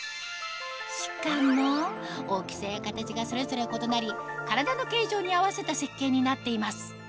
しかも大きさや形がそれぞれ異なり体の形状に合わせた設計になっています